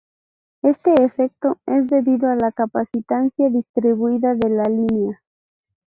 Este efecto es debido a la capacitancia distribuida de la línea.